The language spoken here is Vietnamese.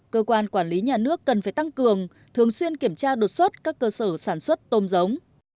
cơ quan quản lý nhà nước cần phải tăng cường thường xuyên kiểm tra đột xuất các cơ sở sản xuất tôm giống